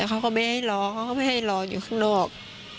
เขาไม่ได้รออยู่ข้างดอก